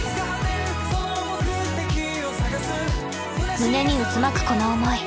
胸に渦巻くこの思い。